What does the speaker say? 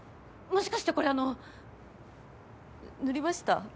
もしかしてこれあの塗りました？